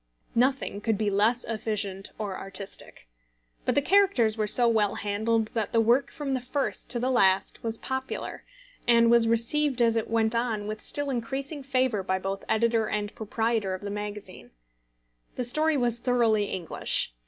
Nothing could be less efficient or artistic. But the characters were so well handled, that the work from the first to the last was popular, and was received as it went on with still increasing favour by both editor and proprietor of the magazine. The story was thoroughly English.